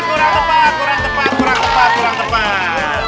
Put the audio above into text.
kurang tepat kurang cepat kurang tepat kurang tepat